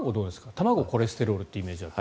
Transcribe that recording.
卵、コレステロールというイメージが。